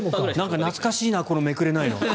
懐かしいなこのめくれないの。